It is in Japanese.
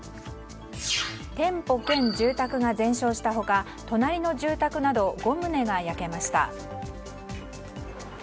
店舗兼住宅が全焼した他隣の住宅など５棟が焼けました。